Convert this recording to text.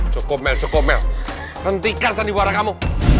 cokomel cokomel hentikan sandiwara kamu